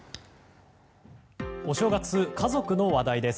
お正月、家族の話題です。